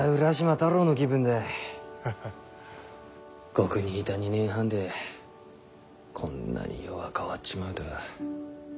獄にいた２年半でこんなに世が変わっちまうとは。